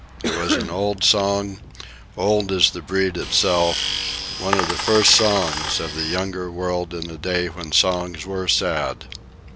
It was an old song, old as the breed itself—one of the first songs of the younger world in a day when songs were sad.